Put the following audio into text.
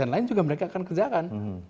yang lain juga mereka akan kerjakan